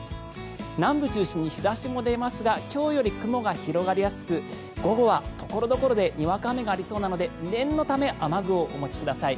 南部中心に日差しも出ますが今日より雲が広がりやすく午後はところどころでにわか雨がありそうなので念のため雨具をお持ちください。